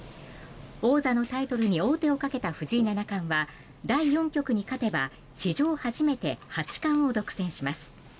王座のタイトルに王手をかけた藤井七冠は第４局に勝てば史上初めて八冠を独占します。